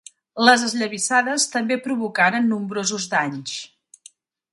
Les esllavissades també provocaren nombrosos danys.